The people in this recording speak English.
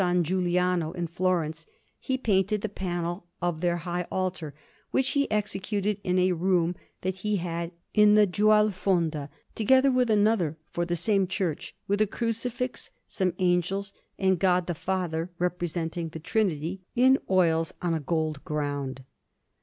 Giuliano in Florence he painted the panel of their high altar, which he executed in a room that he had in the Gualfonda; together with another for the same church, with a Crucifix, some Angels, and God the Father, representing the Trinity, in oils and on a gold ground.